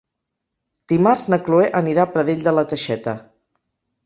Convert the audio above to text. Dimarts na Cloè anirà a Pradell de la Teixeta.